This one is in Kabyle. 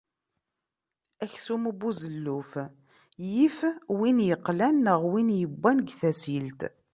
Aksum n ubuzelluf yif win iqlan neɣ win yewwan deg tasilt.